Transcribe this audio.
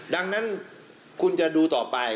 ดังนั้นคุณจะดูต่อไป